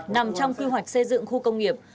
nằm trong kư hoạch xây dựng khu công nghiệp